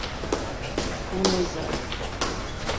“გუნ ეზარ”.